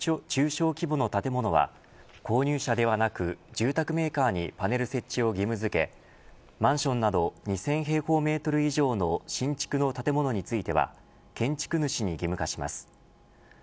小規模の建物は購入者ではなく住宅メーカーにパネル設置を義務付けマンションなど２０００平方メートル以上の新築の建物については建築主に義務化します。